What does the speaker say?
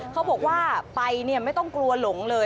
เขาบอกว่าไปเนี่ยไม่ต้องกลัวหลงเลย